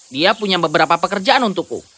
dia punya beberapa pekerjaan untukku